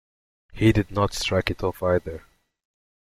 He did not strike it off, either.